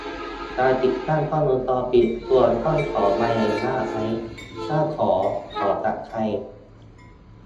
การติดตั้งกล้องวงจรปิด ควรต้องขอใบอนุญาตไหม ถ้าขอ ขอจากใคร